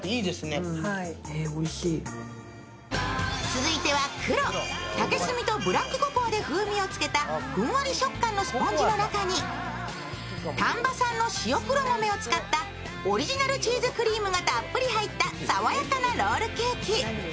続いてはくろ、竹炭とブラックココアで風味をつけたふんわり食感のスポンジの中に丹波産の塩黒豆を使ったオリジナルチーズクリームがたっぷり入った爽やかなロールケーキ。